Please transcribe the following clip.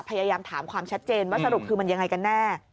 พยายามถามความชัดเจนว่าสรุปคือมันยังไงกันแน่